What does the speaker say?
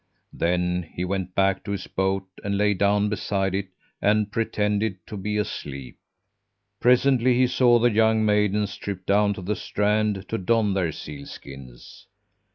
Then he went back to his boat, lay down beside it, and pretended to be asleep. "Presently he saw the young maidens trip down to the strand to don their seal skins.